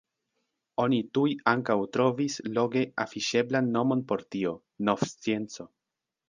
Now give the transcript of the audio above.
Oni tuj ankaŭ trovis loge afiŝeblan nomon por tio: nov-scienco.